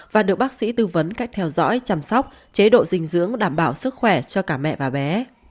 và được bác sĩ tư vấn cách theo dõi chăm sóc chế độ dinh dưỡng đảm bảo sức khỏe cho cả mẹ và bé